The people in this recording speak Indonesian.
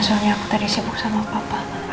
soalnya aku tadi sibuk sama papa